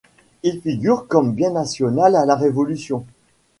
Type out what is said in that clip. Il figure comme bien national à la Révolution.